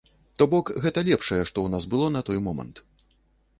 То бок, гэта лепшае, што ў нас было на той момант.